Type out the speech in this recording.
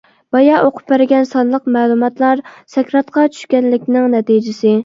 بايا ئوقۇپ بەرگەن سانلىق مەلۇماتلار سەكراتقا چۈشكەنلىكنىڭ نەتىجىسى.